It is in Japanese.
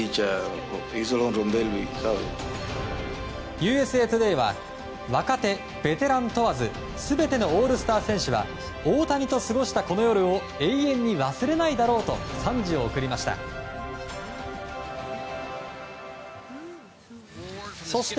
ＵＳＡトゥデイは若手、ベテラン問わず全てのオールスター選手は大谷と過ごしたこの夜を永遠に忘れないだろうと賛辞を送りました。